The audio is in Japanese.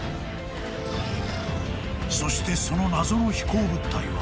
［そしてその謎の飛行物体は］